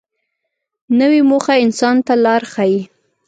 نوې موخه انسان ته لار ښیي